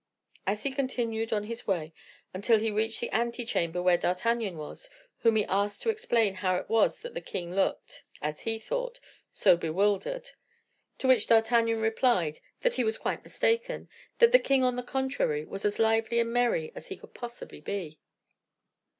And he continued on his way until he reached the ante chamber where D'Artagnan was, whom he asked to explain how it was that the king looked, as he thought, so bewildered; to which D'Artagnan replied that he was quite mistaken, that the king, on the contrary, was as lively and merry as he could possibly be.